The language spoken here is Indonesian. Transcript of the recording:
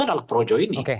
adalah projo ini